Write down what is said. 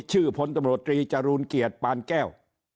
ชื่อพลตำรวจตรีจรูนเกียจปานแก้ว